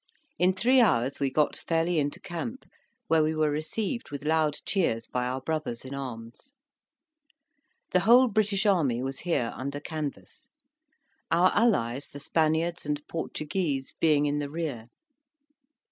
In three hours we got fairly into camp, where we were received with loud cheers by our brothers in arms. The whole British army was here under canvas; our allies, the Spaniards and Portuguese, being in the rear.